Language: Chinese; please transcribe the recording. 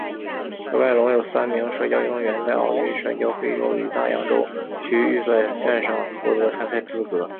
喀麦隆有三名摔跤运动员在奥运摔跤非洲与大洋洲区预选赛上获得参赛资格。